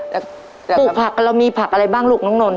ปลูกผักละเรามีผักอะไรบ้างลูกหนูนน่ะ